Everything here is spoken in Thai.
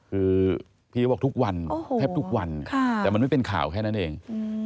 คือพี่เขาบอกทุกวันแทบทุกวันแต่มันไม่เป็นข่าวแค่นั้นเอง